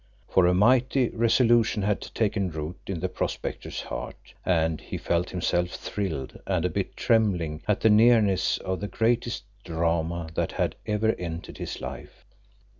For a mighty resolution had taken root in the prospector's heart, and he felt himself thrilled and a bit trembling at the nearness of the greatest drama that had ever entered his life.